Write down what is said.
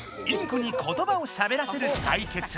インコに言葉をしゃべらせる対決。